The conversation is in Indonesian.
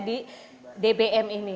di dbm ini